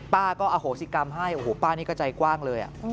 ป้าก็อโหสิกรรมให้โอ้โหป้านี่ก็ใจกว้างเลย